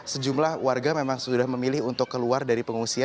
sejumlah warga memang sudah memilih untuk keluar dari pengungsian